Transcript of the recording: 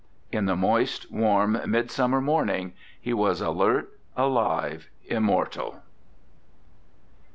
In the moist, warm midsummer morning, he was alert, alive, immortal.